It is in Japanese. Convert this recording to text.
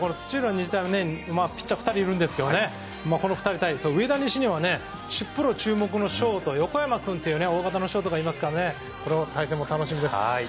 日大はピッチャーが２人いるんですけどこの２人対、上田西にはプロ注目のショート横山君という大型のショートがいますからこの対戦も楽しみです。